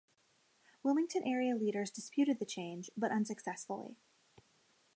Wilmington area leaders disputed the change, but unsuccessfully.